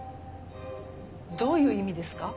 どういう意味ですか？